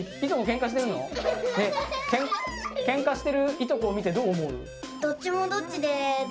ケンカしてるいとこを見てどう思う？